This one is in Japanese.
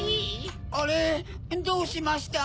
あれどうしました？